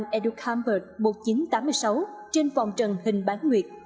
sài gòn s s environment một nghìn chín trăm tám mươi sáu trên phòng trần hình bán nguyệt